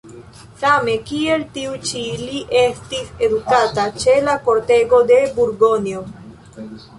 Same kiel tiu ĉi li estis edukata ĉe la kortego de Burgonjo.